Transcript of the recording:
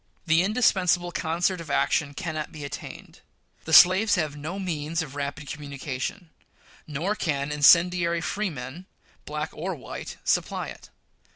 The indispensable concert of action cannot be attained. The slaves have no means of rapid communication; nor can incendiary freemen, black or white, supply it.